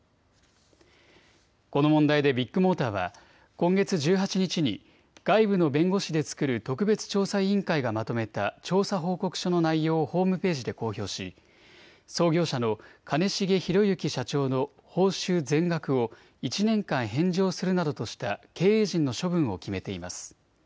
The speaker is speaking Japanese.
この問題でビッグモーターは今月１８日に外部の弁護士で作る特別調査委員会がまとめた調査報告書の内容をホームページで公表し、創業者の兼重宏行社長の報酬全額を１年間返上するなどとした経営陣の処分を決めています。